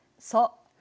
そう。